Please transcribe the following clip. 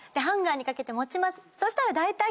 ハンガーに掛けて持ちます。